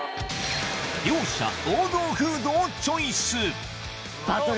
両者王道フードをチョイス